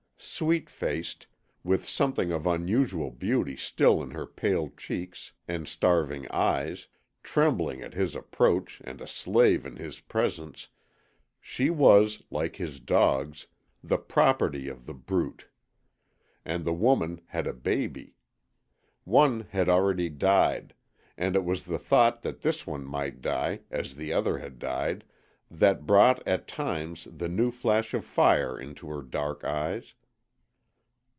Sweet faced, with something of unusual beauty still in her pale cheeks and starving eyes trembling at his approach and a slave in his presence she was, like his dogs, the PROPERTY of The Brute. And the woman had a baby. One had already died; and it was the thought that this one might die, as the other had died, that brought at times the new flash of fire into her dark eyes.